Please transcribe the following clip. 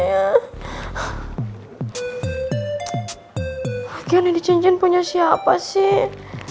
ya bagian ini cincin punya siapa sih